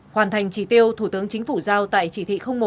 hoàn thành chỉ tiêu thủ tướng chính phủ giao tại chỉ thị một